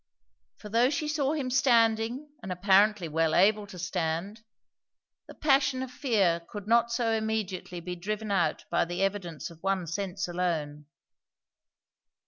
For though she saw him standing and apparently well able to stand, the passion of fear could not so immediately be driven out by the evidence of one sense alone.